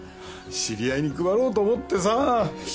知り合いに配ろうと思ってさ。